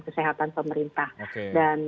kesehatan pemerintah dan